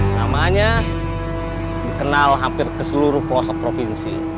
namanya dikenal hampir ke seluruh pelosok provinsi